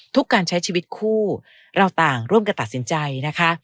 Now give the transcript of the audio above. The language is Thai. การใช้ชีวิตคู่เราต่างร่วมกันตัดสินใจนะคะ